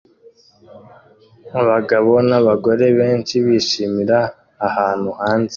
Abagabo n'abagore benshi bishimira ahantu hanze